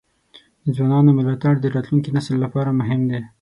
د ځوانانو ملاتړ د راتلونکي نسل لپاره مهم دی.